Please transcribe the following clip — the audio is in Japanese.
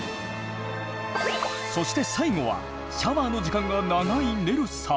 そして最後はシャワーの時間が長いねるさん。